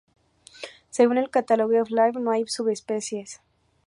Según el Catalogue of Life, no hay subespecies.